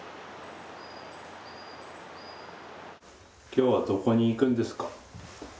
きょうはどこに行くんですか？